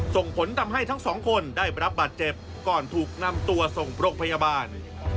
ส่งผลทำให้ทั้งสองคนได้รับบาดเจ็บก่อนถูกนำตัวส่งปรกพยาบาล